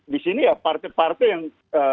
di sini ya partai partai yang